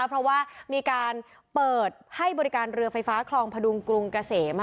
เพราะว่ามีการเปิดให้บริการเรือไฟฟ้าคลองพดุงกรุงเกษม